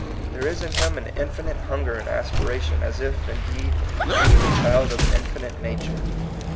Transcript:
There is in him an infinite hunger and aspira tion, as if, indeed, he were the child of an infinite nature.